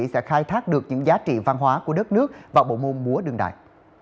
và khai thác được những giá trị văn hóa của đất nước vào bộ môn múa đương đài